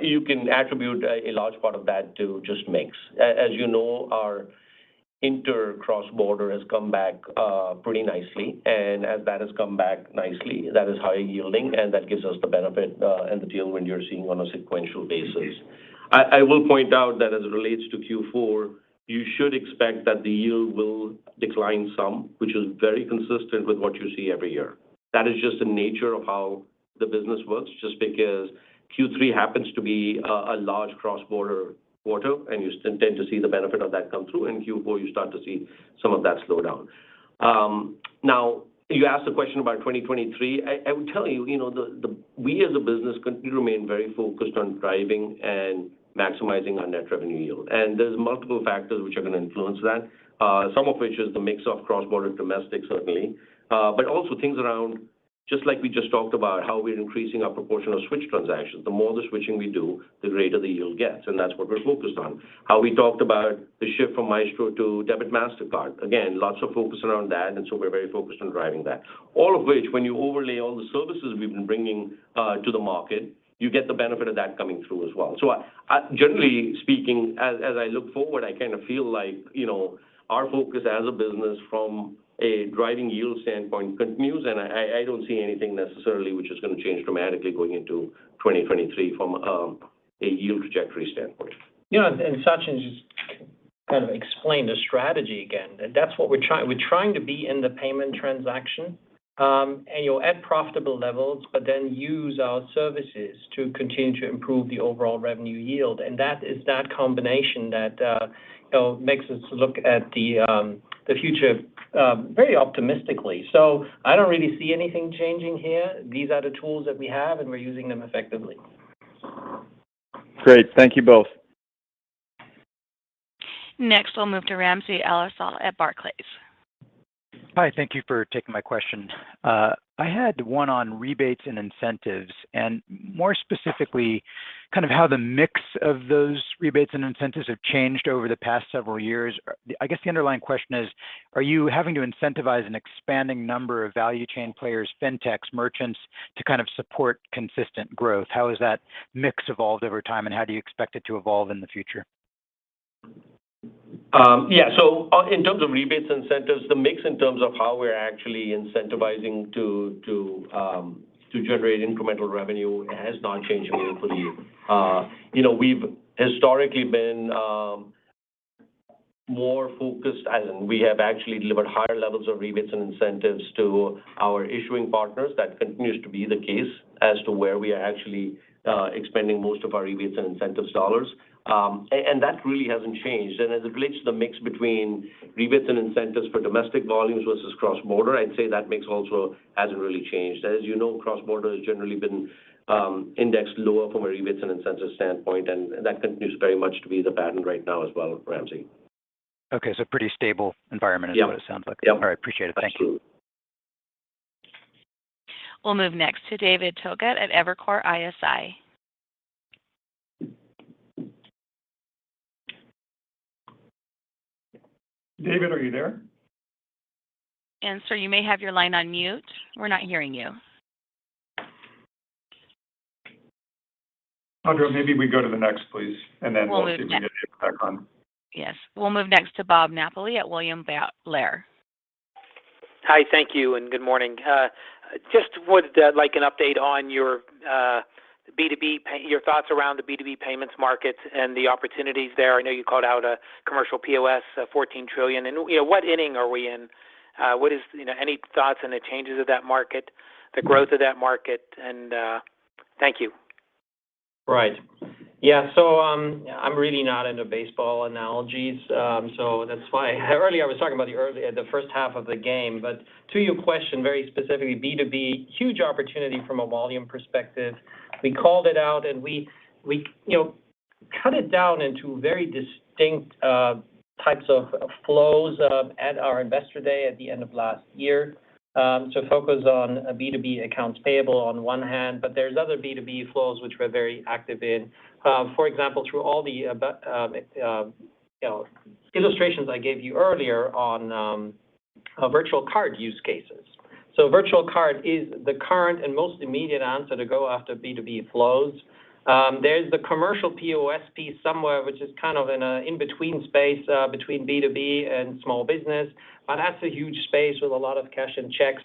You can attribute a large part of that to just mix. As you know, our international cross-border has come back pretty nicely, and as that has come back nicely, that is high-yielding, and that gives us the benefit and the yield you're seeing on a sequential basis. I will point out that as it relates to Q4, you should expect that the yield will decline some, which is very consistent with what you see every year. That is just the nature of how the business works, just because Q3 happens to be a large cross-border quarter, and you tend to see the benefit of that come through. In Q4, you start to see some of that slow down. Now you asked the question about 2023. I would tell you, we as a business remain very focused on driving and maximizing our net revenue yield, and there's multiple factors which are gonna influence that, some of which is the mix of cross-border to domestic certainly. But also things around, just like we just talked about how we are increasing our proportion of switch transactions. The more the switching we do, the greater the yield gets, and that's what we're focused on. How we talked about the shift from Maestro to Debit Mastercard. Again, lots of focus around that, and so we're very focused on driving that. All of which, when you overlay all the services we've been bringing to the market, you get the benefit of that coming through as well. I generally speaking, as I look forward, I kind of feel like, you know, our focus as a business from a driving yield standpoint continues. I don't see anything necessarily which is gonna change dramatically going into 2023 from a yield trajectory standpoint. Sachin just kind of explained the strategy again. That's what we're trying. We're trying to be in the payment transaction, and you know, at profitable levels, but then use our services to continue to improve the overall revenue yield. That is that combination that, you know, makes us look at the future very optimistically. I don't really see anything changing here. These are the tools that we have, and we're using them effectively. Great. Thank you both. Next, we'll move to Ramsey El-Assal at Barclays. Hi. Thank you for taking my question. I had one on rebates and incentives, and more specifically, kind of how the mix of those rebates and incentives have changed over the past several years. I guess the underlying question is, are you having to incentivize an expanding number of value chain players, FinTechs, merchants to kind of support consistent growth? How has that mix evolved over time, and how do you expect it to evolve in the future? In terms of rebates and incentives, the mix in terms of how we're actually incentivizing to generate incremental revenue has not changed meaningfully. You know, we've historically been more focused as in we have actually delivered higher levels of rebates and incentives to our issuing partners. That continues to be the case as to where we are actually expanding most of our rebates and incentives dollars. That really hasn't changed. As it relates to the mix between rebates and incentives for domestic volumes versus cross-border, I'd say that mix also hasn't really changed. As you know, cross-border has generally been indexed lower from a rebates and incentives standpoint, and that continues very much to be the pattern right now as well, Ramsey. Okay. Pretty stable environment. Yeah. is what it sounds like. Yeah. All right. Appreciate it. Thank you. Absolutely. We'll move next to David Togut at Evercore ISI. David, are you there? Andrew, you may have your line on mute. We're not hearing you. Audra, maybe we go to the next, please, and then we'll see if we can get David back on. Yes. We'll move next to Robert Napoli at William Blair. Hi. Thank you and good morning. Just would like an update on your thoughts around the B2B payments market and the opportunities there. I know you called out a commercial POS 14 trillion. You know, what inning are we in? Any thoughts on the changes of that market, the growth of that market and. Thank you. Right. Yeah. Yeah, I'm really not into baseball analogies. That's why earlier I was talking about the early, the first half of the game. To your question very specifically, B2B, huge opportunity from a volume perspective. We called it out and we, you know, cut it down into very distinct types of flows, at our investor day at the end of last year, to focus on B2B accounts payable on one hand. There's other B2B flows which we're very active in. For example, through all the illustrations I gave you earlier on, virtual card use cases. Virtual card is the current and most immediate answer to go after B2B flows. There's the commercial POSP somewhere, which is kind of in an in-between space between B2B and small business, but that's a huge space with a lot of cash and checks.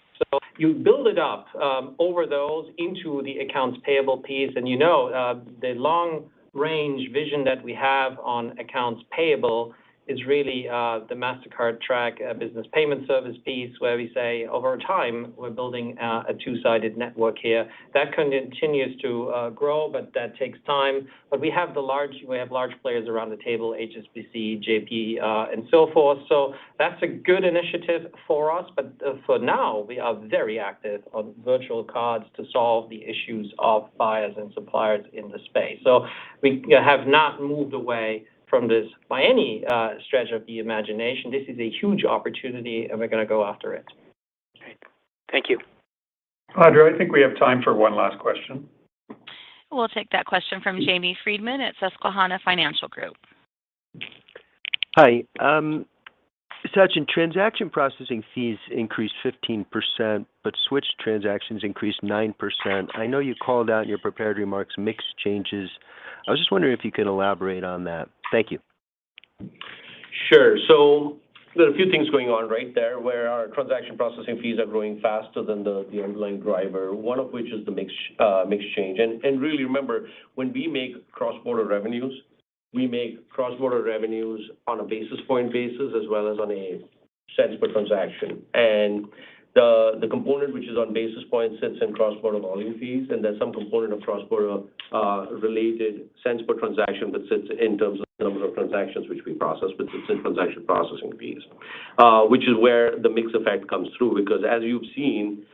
You build it up over those into the accounts payable piece. You know, the long range vision that we have on accounts payable is really the Mastercard Track business payment service piece where we say, over time, we're building a two-sided network here. That continues to grow, but that takes time. We have large players around the table, HSBC, JPMorgan, and so forth. That's a good initiative for us. For now, we are very active on virtual cards to solve the issues of buyers and suppliers in the space. We have not moved away from this by any stretch of the imagination. This is a huge opportunity and we're gonna go after it. Great. Thank you. Audra, I think we have time for one last question. We'll take that question from Jamie Friedman at Susquehanna Financial Group. Hi. Sachin, transaction processing fees increased 15%, but switch transactions increased 9%. I know you called out in your prepared remarks mix changes. I was just wondering if you could elaborate on that. Thank you. Sure. There are a few things going on right there where our transaction processing fees are growing faster than the underlying driver, one of which is the mix change. Really remember, when we make cross-border revenues, we make cross-border revenues on a basis point basis as well as on a cents per transaction. The component which is on basis points sits in cross-border volume fees, and there's some component of cross-border related cents per transaction that sits in terms of number of transactions which we process, which sits in transaction processing fees, which is where the mix effect comes through. Because as you've seen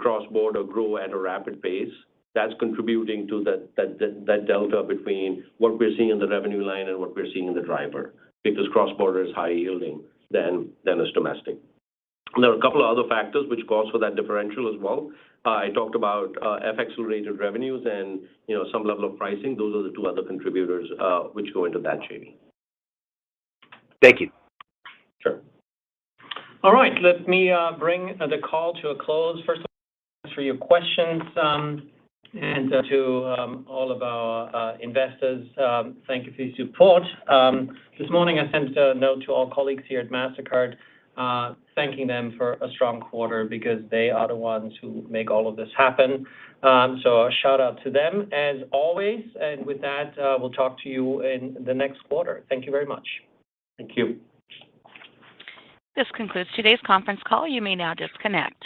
cross-border grow at a rapid pace, that's contributing to that delta between what we're seeing in the revenue line and what we're seeing in the driver because cross-border is higher yielding than is domestic. There are a couple of other factors which account for that differential as well. I talked about FX-related revenues and, you know, some level of pricing. Those are the two other contributors which go into that change. Thank you. Sure. All right. Let me bring the call to a close. First of all, thanks for your questions. To all of our investors, thank you for your support. This morning I sent a note to all colleagues here at Mastercard, thanking them for a strong quarter because they are the ones who make all of this happen. A shout out to them as always. With that, we'll talk to you in the next quarter. Thank you very much. Thank you. This concludes today's conference call. You may now disconnect.